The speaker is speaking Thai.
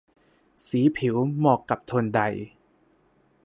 สีผิวเหมาะกับโทนใด